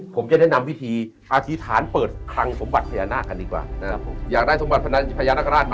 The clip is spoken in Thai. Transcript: ผมจะแนะนำวิธีอธิษฐานเปิดครั้งสมบัติพญานาคันดีกว่านะครับผม